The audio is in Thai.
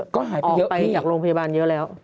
ก็หายไปเยอะไปจากโรงพยาบาลเยอะแล้ว